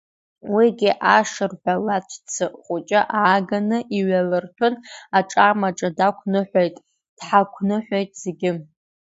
Уигьы ашырҳәа лаҵәца хәыҷы ааганы иҩалырҭәын, аҿамаҿа дақәныҳәеит, дҳақәныҳәеит зегьы.